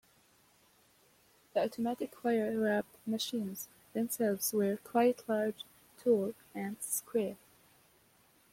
The automatic wire wrap machines themselves were quite large, tall and square.